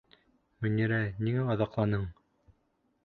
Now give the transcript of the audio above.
Мөнирә, ниңә оҙаҡланың?